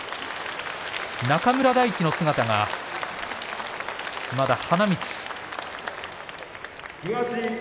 中村泰輝の姿がまだ花道。